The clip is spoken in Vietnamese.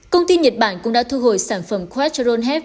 công ty nhật bản cũng đã thu hồi sản phẩm coetron hep